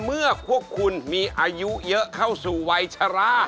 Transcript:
เมื่อคุณมีอายุเข้าสู่ิชารา